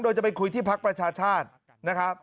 โดยจะไปคุยที่พักประชาชาตินะครับ